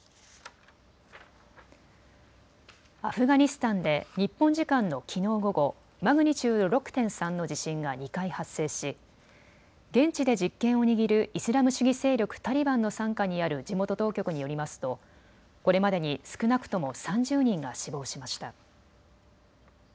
アフガニスタンで日本時間のきのう午後、マグニチュード６．３の地震が２回発生し現地で実権を握るイスラム主義勢力タリバンの傘下にある地元当局によりますとこれまでに少なくとも３０人が死亡しました。